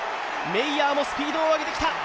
メイヤーもスピードを上げてきた。